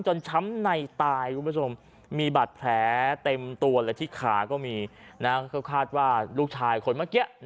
จนช้ำในตายมีบัตรแผลเต็มตัวและทิ้งขาก็มีคาดว่าลูกชายคนเมื่อกี้